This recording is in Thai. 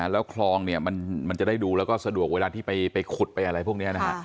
แล้วคลองเนี่ยมันจะได้ดูแล้วก็สะดวกเวลาที่ไปขุดไปอะไรพวกนี้นะฮะ